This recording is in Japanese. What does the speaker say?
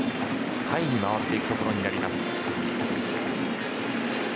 下位に回っていくことになります。